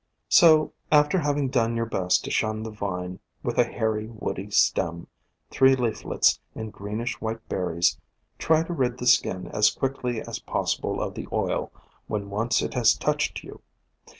So, after having done your best to shun the vine with a hairy, woody stem, three leaflets and greenish white berries, try to rid the skin as quickly as pos sible of the oil when once it has touched you.